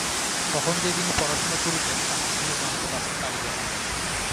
কখন যে তিনি পড়াশুনা করিতেন, তাহা কেহ জানিতে পারিত না।